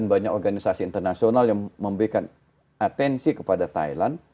banyak organisasi internasional yang memberikan atensi kepada thailand